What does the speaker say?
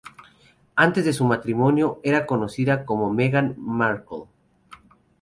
Antes de su matrimonio, era conocida como Meghan Markle.